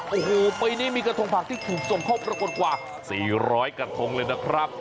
โอ้โหปีนี้มีกระทงผักที่ถูกส่งเข้าปรากฏกว่า๔๐๐กระทงเลยนะครับ